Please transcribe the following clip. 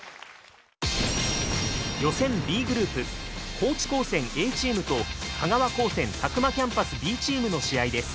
高知高専Ａチームと香川高専詫間キャンパスＢチームの試合です。